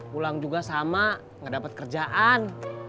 pulang juga sama gak dapet kerjaan